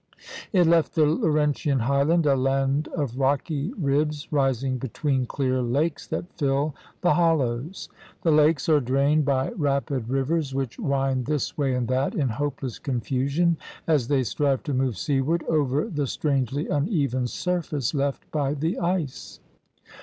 It left the Laurentian highland a land of rocky ribs rising between clear lakes that fill the hollows. The lakes are drained by rapid rivers 64 THE RED MAN'S CONTINENT which wind this way and that in hopeless confusion as they strive to move seaward over the strangely uneven surface left by the ice.